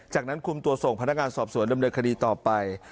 จากนั้นคุมตัวส่งพนักงานสอบสวนดำเนินคดีต่อไป